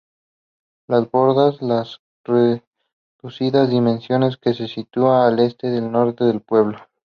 Las bordas, de reducidas dimensiones que se sitúan al este y norte del pueblo.